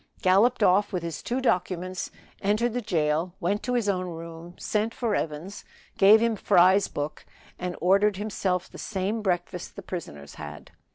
Galloped off with his two documents entered the jail went to his own room sent for Evans gave him Fry's book, and ordered himself the same breakfast the prisoners had.